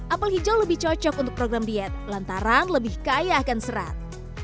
apel hijau lebih cocok untuk program diet lantaran lebih kaya akan serat